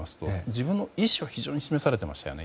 自分の意思を非常に示されていましたね。